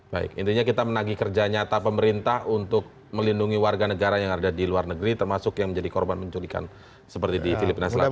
baik intinya kita menagih kerja nyata pemerintah untuk melindungi warga negara yang ada di luar negeri termasuk yang menjadi korban penculikan seperti di filipina selatan